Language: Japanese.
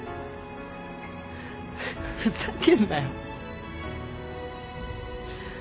ふざけんなよ。